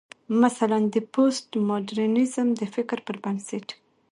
مثلا: د پوسټ ماډرنيزم د فکر پر بنسټ